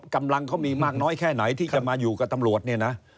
กำลังเขามีมากน้อยแค่ไหนที่จะมาอยู่กับตำรวจเนี่ยนะ